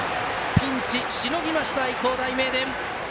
ピンチをしのぎました愛工大名電！